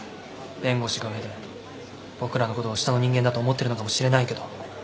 弁護士が上で僕らのことを下の人間だと思ってるのかもしれないけど。